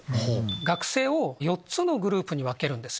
学生を４つのグループに分けるんです。